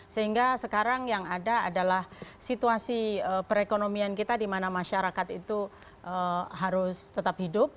sehingga sekarang yang ada adalah situasi perekonomian kita di mana masyarakat itu harus tetap hidup